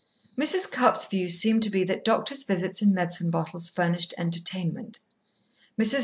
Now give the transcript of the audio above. Mrs. Cupp's view seemed to be that doctor's visits and medicine bottles furnished entertainment. Mrs.